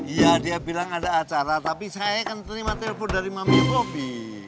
iya dia bilang ada acara tapi saya kan terima telepon dari mami kopi